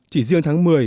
chỉ riêng tháng một mươi